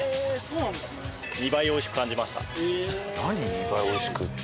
「２倍美味しく」って。